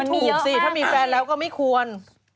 อีกสิถ้ามีแฟนแล้วก็ไม่ควร